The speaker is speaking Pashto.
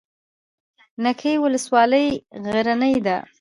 نکې ولسوالۍ غرنۍ ده؟